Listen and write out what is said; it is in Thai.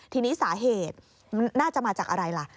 ทีนี้สาเหตุน่าจะมาจากอะไรล่ะ